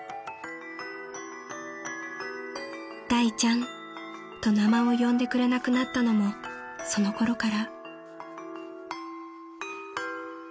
［「大ちゃん」と名前を呼んでくれなくなったのもそのころから］